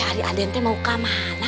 ais adik adente mau kemana